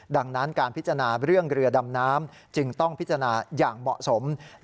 ดังนั้นการพิจารณาเรื่องเรือดำน้ำจึงต้องพิจารณาอย่างเหมาะสม